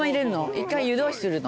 一回湯通しするの？